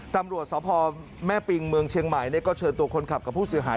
ตำรวจสพแม่ปิงเมืองเชียงใหม่ก็เชิญตัวคนขับกับผู้เสียหาย